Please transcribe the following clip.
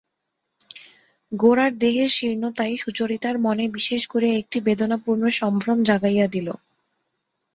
গোরার দেহের শীর্ণতাই সুচরিতার মনে বিশেষ করিয়া একটি বেদনাপূর্ণ সম্ভ্রম জাগাইয়া দিল।